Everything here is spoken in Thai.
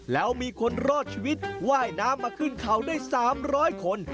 แล้วมีคนรอดชีวิตว่ายน้ำมาขึ้นเขาได้๓๐๐คน